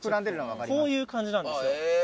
こういう感じなんですよ。